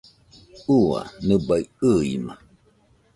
ua nɨbai ɨima!